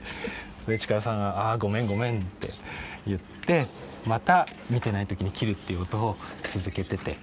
で力さんが「あごめんごめん」って言ってまた見てない時に切るっていうことを続けてて。